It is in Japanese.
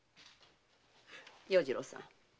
要次郎さん。